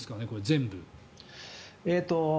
全部。